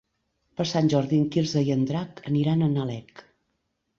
Per Sant Jordi en Quirze i en Drac aniran a Nalec.